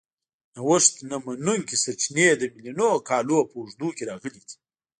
نوښت نه منونکي سرچینې د میلیونونو کالونو په اوږدو کې راغلي دي.